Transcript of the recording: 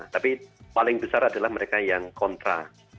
tapi paling besar adalah mereka yang kontra